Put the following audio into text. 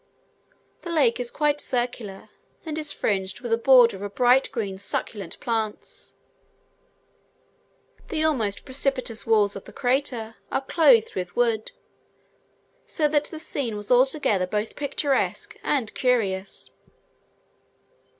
The lake is quite circular, and is fringed with a border of bright green succulent plants; the almost precipitous walls of the crater are clothed with wood, so that the scene was altogether both picturesque and curious.